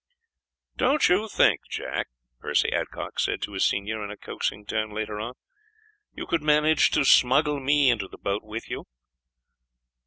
"Don't you think, Jack," Percy Adcock said to his senior in a coaxing tone later on, "you could manage to smuggle me into the boat with you?"